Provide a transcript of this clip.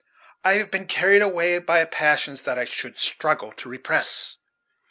I have been carried away by passions that I should struggle to repress.